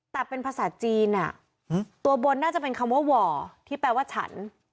แต่เป็นภาษาจีนตัวบนน่าจะเป็นคำว่าหว่อที่แปลว่าฉัน